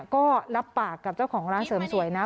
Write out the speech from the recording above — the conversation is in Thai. ก็รับปากกับเจ้าของร้านเสริมสวยนะ